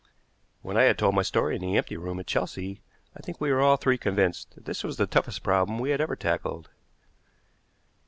When I had told my story in the empty room at Chelsea I think we were all three convinced that this was the toughest problem we had ever tackled.